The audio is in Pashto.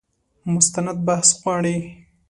مستند بحث غواړي.